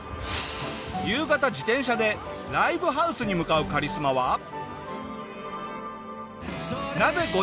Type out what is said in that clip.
夕方自転車でライブハウスに向かうカリスマは。